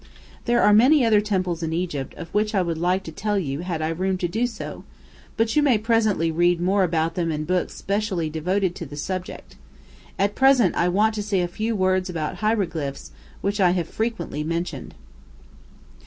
] There are many other temples in Egypt of which I would like to tell you had I room to do so, but you may presently read more about them in books specially devoted to this subject. At present I want to say a few words about hieroglyphs, which I have frequently mentioned.